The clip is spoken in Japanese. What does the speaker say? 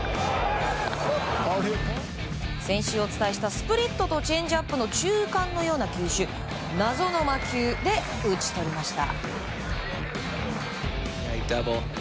先週お伝えしたスプリットとチェンジアップの中間のような球種謎の魔球で打ち取りました。